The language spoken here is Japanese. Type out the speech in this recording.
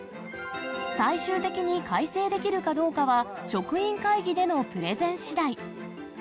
最終的に改正できるかどうかは、職員会議でのプレゼンしだい。